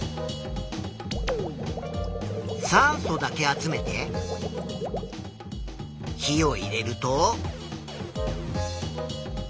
酸素だけ集めて火を入れると。